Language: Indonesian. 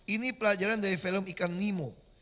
ini pelajaran dari film ikan nemo